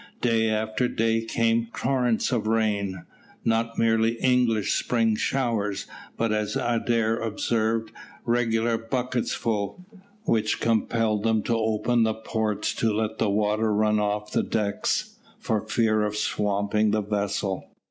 Day after day down came torrents of rain not merely English spring showers but, as Adair observed, regular bucketsful, which compelled them to open the ports to let the water run off the decks, for fear of swamping the vessel.